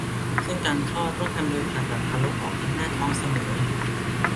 ซึ่งการคลอดต้องทำโดยผ่าตัดทารกออกทางหน้าท้องเสมอ